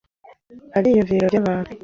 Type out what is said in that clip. Nta byiyumvo byabantu.